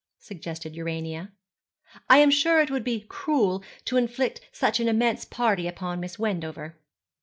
suggested Urania; 'I am sure it would be cruel to inflict such an immense party upon Miss Wendover.'